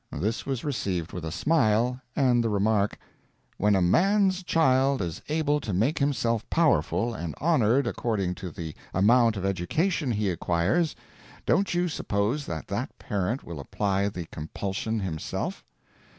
This was received with a smile, and the remark: "When a man's child is able to make himself powerful and honoured according to the amount of education he acquires, don't you suppose that that parent will apply the compulsion himself?